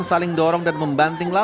sering sering main